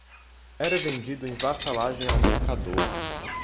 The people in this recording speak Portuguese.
era vendido em vassalagem ao mercador